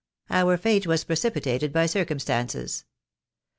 Our fate was precipitated by circumstances.